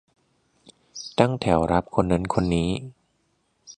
ตั้งแถวรับคนนั้นคนนี้